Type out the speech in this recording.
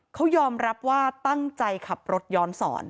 เขายอมรับว่าตั้งใจขับรถย้อนสอน